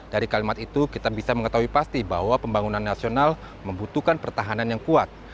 dari kalimat itu kita bisa mengetahui pasti bahwa pembangunan nasional membutuhkan pertahanan yang kuat